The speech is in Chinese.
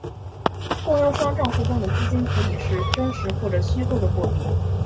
供应商帐户中的资金可以是真实或者虚构的货币。